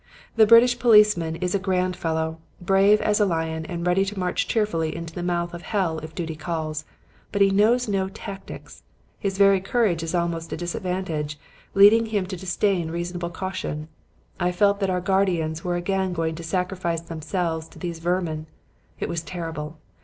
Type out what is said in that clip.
The British policeman is a grand fellow, brave as a lion and ready to march cheerfully into the mouth of hell if duty calls. But he knows no tactics. His very courage is almost a disadvantage, leading him to disdain reasonable caution. I felt that our guardians were again going to sacrifice themselves to these vermin. It was terrible.